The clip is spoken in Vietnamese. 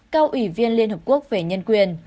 cao ủy viên liên hợp quốc về nhân quyền